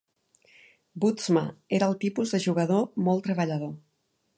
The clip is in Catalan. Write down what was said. Bootsma era el tipus de jugador molt treballador.